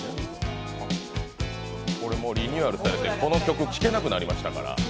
リニューアルされて、この曲、聴けなくなりましたから。